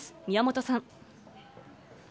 宮本さん。